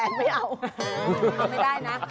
เออเอาไม่ได้นะ